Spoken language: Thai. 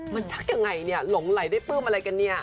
มันชักยังไงเนี่ยหลงไหลได้ปลื้มอะไรกันเนี่ย